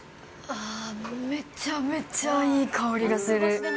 あー、めちゃめちゃいい香りがする。